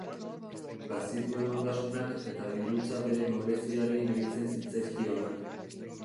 Bazituen ondasunak eta dirutza bere nobleziari gehitzen zitzaizkionak.